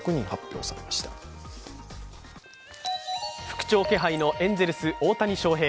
復調気配のエンゼルス・大谷翔平